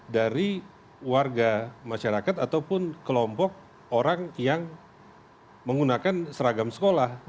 dari warga masyarakat ataupun kelompok orang yang menggunakan seragam sekolah